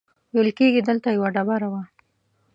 ویل کېږي دلته یوه ډبره وه.